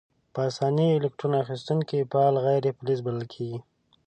په آساني الکترون اخیستونکي فعال غیر فلز بلل کیږي.